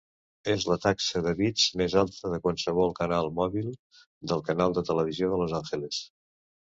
És la taxa de bits més alta de qualsevol canal mòbil del canal de televisió de Los Angeles.